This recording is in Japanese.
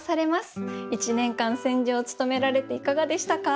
１年間選者を務められていかがでしたか？